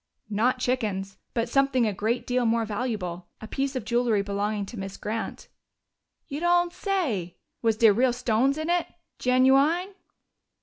"Not chickens but something a great deal more valuable. A piece of jewelry belonging to Miss Grant." "You don't say! Was dere real stones in it genu ine?"